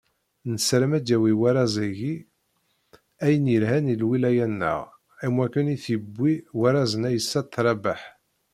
Nessarem ad d-yawi warraz-agi ayen yelhan i lwilaya-nneɣ, am wakken i t-yewwi warraz n Aysat Rabaḥ.